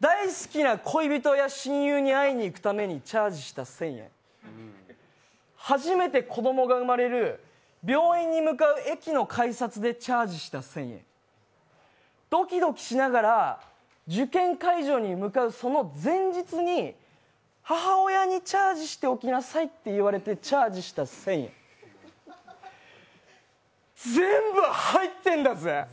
大好きな恋人や親友に会いにいくためにチャージした１０００円初めて子供が生まれる病院に向かう駅の改札でチャージした１０００円、ドキドキしながら受験会場に向かうその前日に母親にチャージしておきなさいって言われてチャージした１０００円全部入ってんだぜ！